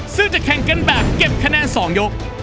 ซึ่งจะแข่งกันแบบเก็บคะแนน๒ยก